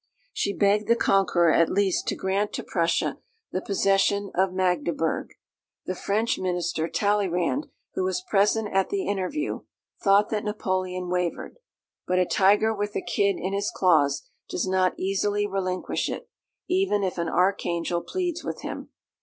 She begged the conqueror at least to grant to Prussia the possession of Magdeburg. The French minister, Talleyrand, who was present at the interview, thought that Napoleon wavered; but a tiger with a kid in his claws does not easily relinquish it, even if an archangel pleads with him.